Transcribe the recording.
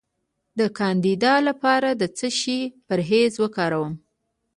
د کاندیدا لپاره د څه شي پرهیز وکړم؟